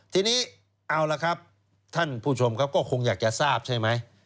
ทีนี้เอาละครับท่านผู้ชมครับก็คงอยากจะทราบใช่ไหม